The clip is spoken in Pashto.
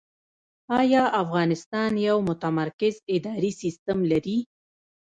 آیا افغانستان یو متمرکز اداري سیستم لري؟